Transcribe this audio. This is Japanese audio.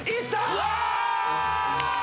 うわ！